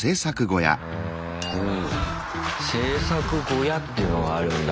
制作小屋っていうのがあるんだ。